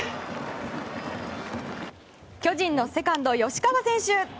巨人のセカンド、吉川選手。